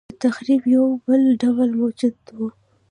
دتخریب یو بل ډول موجود و.